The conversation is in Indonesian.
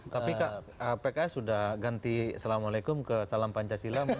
tapi pks sudah ganti assalamualaikum ke salam pancasila